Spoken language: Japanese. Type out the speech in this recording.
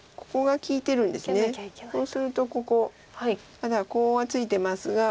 まだコウはついてますが。